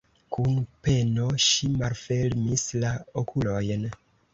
Kun peno ŝi malfermis la okulojn.